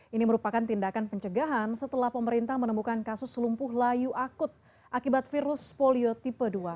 ini merupakan tindakan pencegahan setelah pemerintah menemukan kasus selumpuh layu akut akibat virus polio tipe dua